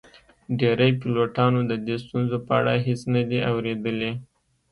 ډیری پیلوټانو د دې ستونزو په اړه هیڅ نه دي اوریدلي